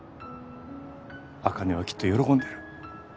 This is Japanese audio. アカネはきっと喜んでる。